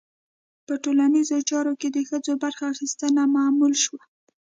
په ټولنیزو چارو کې د ښځو برخه اخیستنه معمول شوه.